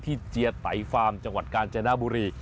ที่เจี๊ยแล้วไตรฟาร์มจังหวัดกาลเจนาบุรี